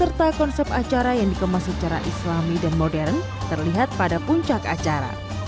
serta konsep acara yang dikemas secara islami dan modern terlihat pada puncak acara